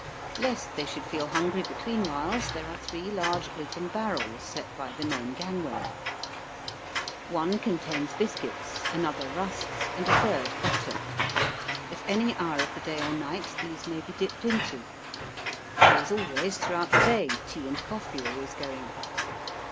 , Lest they should feel hungry between whiles there are three large open barrels set by the main gangway. One contains biscuits, another rusks, and a third butter. At any hour of the day or night these may be dipped into. There is also throughout the day tea and coffee always going.